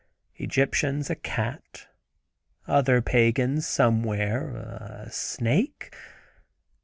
Egyptians a cat. Other pagans, somewhere—a snake.